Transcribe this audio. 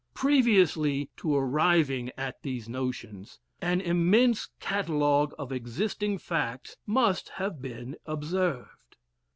Previously to arriving at these notions, an immense catalogue of existing facts must have been observed.